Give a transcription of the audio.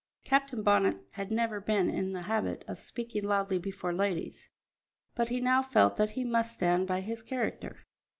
Captain Bonnet had never been in the habit of speaking loudly before ladies, but he now felt that he must stand by his character.